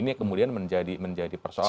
nah kemudian menjadi persoalan